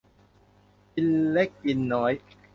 กินเล็กกินน้อย